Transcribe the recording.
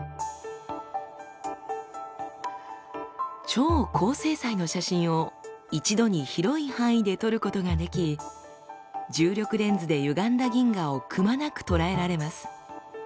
超高精細の写真を一度に広い範囲で撮ることができ重力レンズでゆがんだ銀河をくまなくとらえられます。